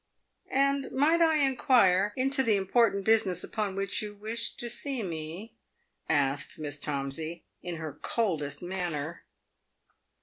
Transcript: " And might I inquire into the important business upon which you wished to see me ?" asked Miss Tomsey, in her coldest manner.